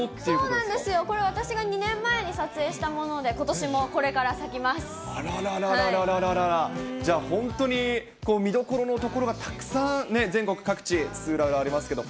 そうなんですよ、これ、私が２年前に撮影したもので、ことしも、あらららら、じゃあ本当に見どころの所がたくさん、全国各地、津々浦々ありますけど。